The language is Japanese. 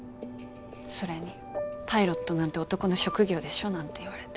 それにパイロットなんて男の職業でしょなんて言われて。